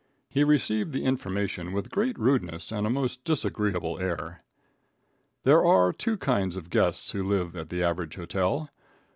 He received the information with great rudeness and a most disagreeable air. There are two kinds of guests who live at the average hotel.